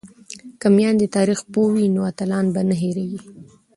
که میندې تاریخ پوهې وي نو اتلان به نه هیریږي.